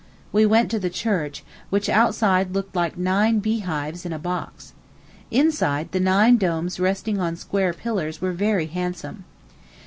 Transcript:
We went to the church, which outside looked like nine beehives in a box. Inside, the nine domes resting on square pillars were very handsome.